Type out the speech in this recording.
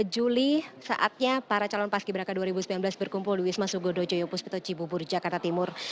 dua puluh juli saatnya para calon paski beraka dua ribu sembilan belas berkumpul di wisma sugodo joyo puspito cibubur jakarta timur